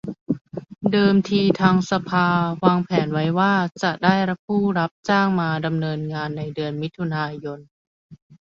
เดิมทีทางสภาวางแผนไว้ว่าจะได้ผู้รับจ้างมาดำเนินงานในเดือนมิถุนายน